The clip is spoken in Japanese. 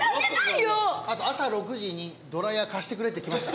あと朝６時にドライヤー貸してくれって来ました。